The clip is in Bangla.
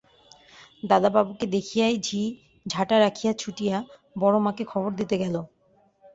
দাদাবাবুকে দেখিয়াই ঝি ঝাঁটা রাখিয়া ছুটিয়া বড়োমাকে খবর দিতে গেল।